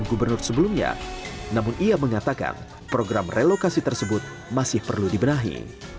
gubernur sebelumnya namun ia mengatakan program relokasi tersebut masih perlu dibenahi